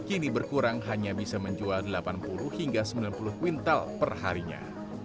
kini berkurang hanya bisa menjual delapan puluh hingga sembilan puluh kuintal perharinya